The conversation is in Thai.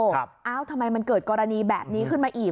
เอ้าทำไมมันเกิดกรณีแบบนี้ขึ้นมาอีก